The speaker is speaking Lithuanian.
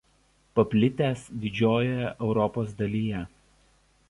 Paplitęs didžiojoje Europos dalyje.